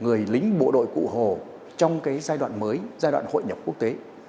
người lính bộ đội cụ hồ trong giai đoạn mới giai đoạn hội nhập quốc tế